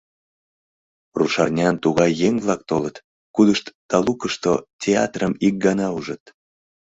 Рушарнян тугай еҥ-влак толыт, кудышт талукышто театрым ик гана ужыт.